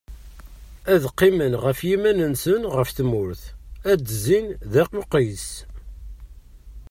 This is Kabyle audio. Ad qqimen ɣef yiman-nsen ɣef tmurt, ad d-zzin d aqusis.